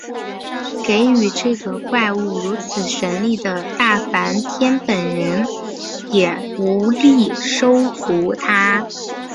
给予这个怪物如此神力的大梵天本人也无力收服它。